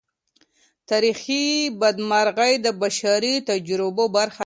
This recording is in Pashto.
تاریخي بدمرغۍ د بشري تجربو برخه ده.